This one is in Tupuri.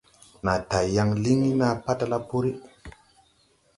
Naa tay yaŋ liŋ ni naa patala puri.